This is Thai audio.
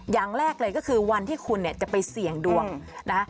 อย่างแรกเลยก็คือวันที่คุณเนี่ยจะไปเสี่ยงดวงนะคะ